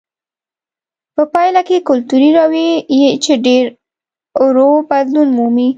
په پایله کې کلتوري رویې چې ډېر ورو بدلون مومي.